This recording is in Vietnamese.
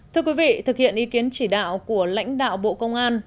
thưa quý vị thực hiện ý kiến chỉ đạo của lãnh đạo bộ công an